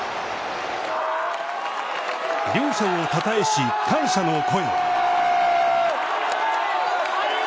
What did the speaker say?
両者をたたえし感謝の声。